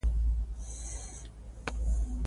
ملالۍ چې اوبه رسولې، اتله وه.